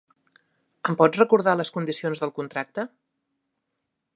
Em pots recordar les condicions del contracte?